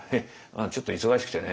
「ちょっと忙しくてね。